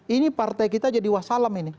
ini partai kita jadi wasalam ini